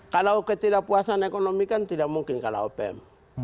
kalau ketidakpuasan ekonomi kan tidak mungkin kalau opm